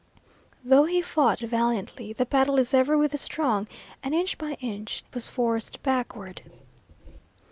Though he fought valiantly the battle is ever with the strong, and inch by inch he was forced backward.